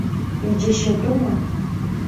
Иџьашьатәума.